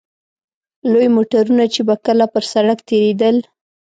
لوی موټرونه چې به کله پر سړک تېرېدل.